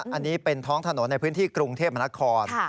อันนี้เป็นท้องถนนในพื้นที่กรุงเทพมนาคม